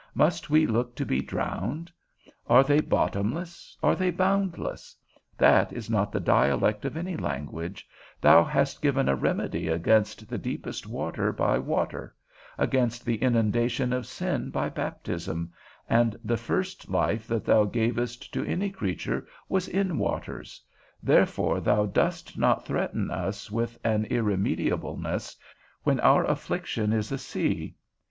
Must we look to be drowned? are they bottomless, are they boundless? That is not the dialect of thy language; thou hast given a remedy against the deepest water by water; against the inundation of sin by baptism; and the first life that thou gavest to any creatures was in waters: therefore thou dost not threaten us with an irremediableness when our affliction is a sea.